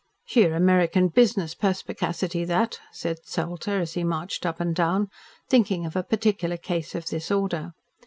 "Sheer American business perspicacity, that," said Salter, as he marched up and down, thinking of a particular case of this order.